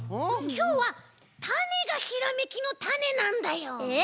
きょうはたねがひらめきのタネなんだよ。え？